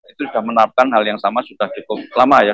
itu sudah menerapkan hal yang sama sudah cukup lama ya